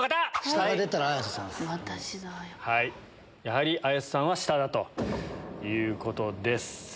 やはり綾瀬さんは下だということです。